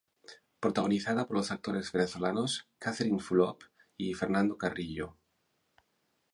Protagonizada por los actores venezolanos Catherine Fulop y Fernando Carrillo.